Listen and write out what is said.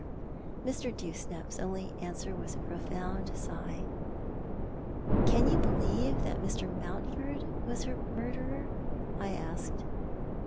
Mr. Dewsnap's only answer was a profound sigh. " Can you believe that Mr. Mountford was her murderer ?" I asked.